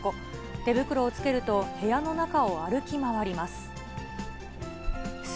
手袋をつけると、部屋の中を歩き回ります。